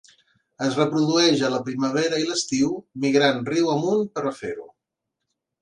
Es reprodueix a la primavera i l'estiu migrant riu amunt per a fer-ho.